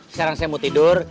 sekarang saya mau tidur